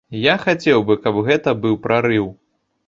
Я хацеў бы, каб гэта быў прарыў.